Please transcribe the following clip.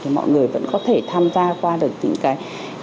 thì mọi người vẫn có thể tham gia qua được những cái